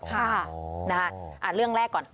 ค่ะนะฮะเรื่องแรกก่อน